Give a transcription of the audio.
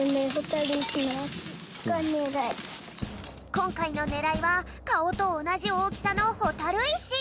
こんかいのねらいはかおとおなじおおきさのほたるいし。